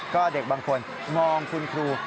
ก็เด็กบางคนมองคุณครู